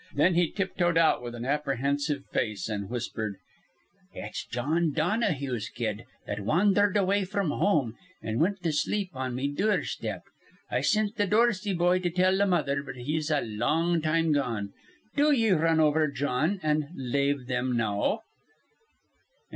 Then he tiptoed out with an apprehensive face, and whispered: "It's Jawn Donahue's kid that wandherd away fr'm home, an' wint to sleep on me dure step. I sint th' Dorsey boy to tell th' mother, but he's a long time gone. Do ye run over, Jawn, an' lave thim know."